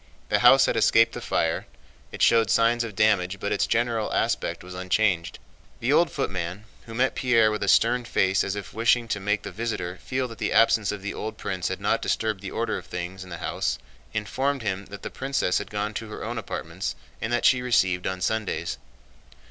The house had escaped the fire; it showed signs of damage but its general aspect was unchanged. The old footman, who met Pierre with a stern face as if wishing to make the visitor feel that the absence of the old prince had not disturbed the order of things in the house, informed him that the princess had gone to her own apartments, and that she received on Sundays.